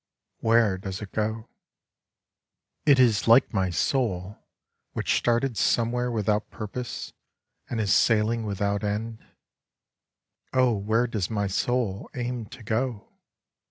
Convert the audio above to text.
Where does it go ? It is like my soul which started somewhere without purpose, and is sailing without end. Oh, where does my soul aim to go